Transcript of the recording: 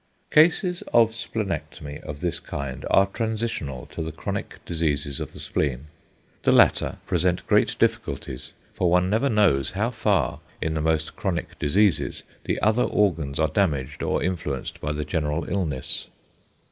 Cases of splenectomy of this kind are transitional to the chronic diseases of the spleen. The latter present great difficulties, for one never knows how far in the most chronic diseases the other organs are damaged or influenced by the general illness.